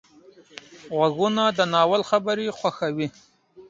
غوږونه د ناول خبرې خوښوي